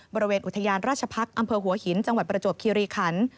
บริเวณอุทยานราชพักษ์อำเภอหัวหินจังหวัดประจวบคิริขัน